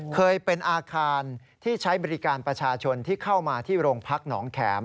เคยเป็นอาคารที่ใช้บริการประชาชนที่เข้ามาที่โรงพักหนองแขม